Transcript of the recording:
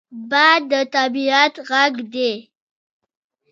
باد د طبعیت غږ دی